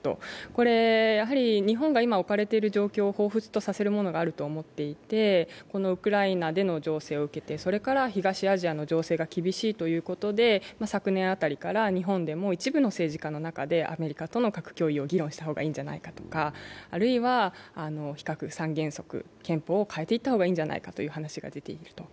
これは日本が今置かれている状況をほうふつとさせると思っていて、ウクライナでの情勢を受けてそれから東アジアの情勢が厳しいということで昨年辺りから日本でも一部の政治家の中でアメリカとの核共有を議論した方がいいんじゃないかとか、あるいは、非核三原則、憲法を変えた方がいいんじゃないかという話も出ている。